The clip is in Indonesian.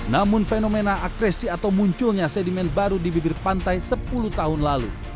namun fenomena agresi atau munculnya sedimen baru di bibir pantai sepuluh tahun lalu